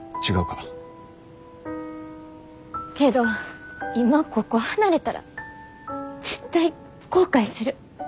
けど今ここ離れたら絶対後悔する。